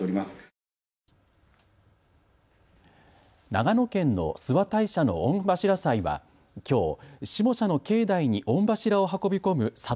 長野県の諏訪大社の御柱祭はきょう下社の境内に御柱を運び込む里